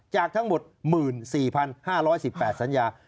จากทั้งหมด๑๔๕๑๘สัญญา